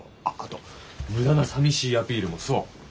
あっあと無駄な寂しいアピールもそう。